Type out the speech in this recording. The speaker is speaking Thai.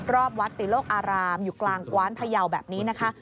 รอบวัดติโลกอารามอยู่กลางกว้านพยาวแบบนี้นะคะ